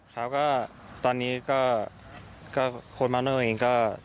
ครับก็ตอนนี้ก็โค้ชมาล์นด้วยเองก็